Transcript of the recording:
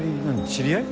知り合い？